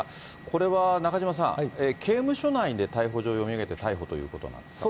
これは中島さん、刑務所内で逮捕状読み上げて逮捕ということなんですか。